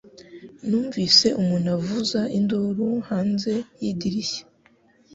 Numvise umuntu avuza induru hanze yidirishya